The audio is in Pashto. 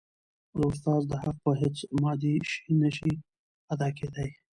د استاد د حق په هيڅ مادي شي نسي ادا کيدای.